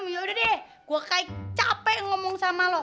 ya udah deh gue kayak capek ngomong sama lo